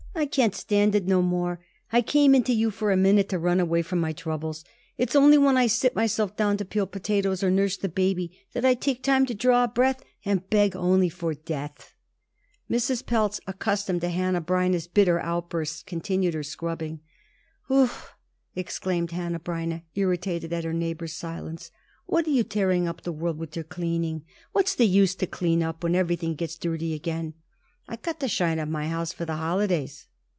"I can't stand it no more. I came into you for a minute to run away from my troubles. It's only when I sit myself down to peel potatoes or nurse the baby that I take time to draw a breath, and beg only for death." Mrs. Pelz, accustomed to Hanneh Breineh's bitter outbursts, continued her scrubbing. "Ut!" exclaimed Hanneh Breineh, irritated at her neighbor's silence, "what are you tearing up the world with your cleaning? What's the use to clean up when everything only gets dirty again?" "I got to shine up my house for the holidays."